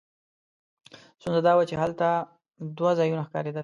ستونزه دا وه چې هلته دوه ځایونه ښکارېدل.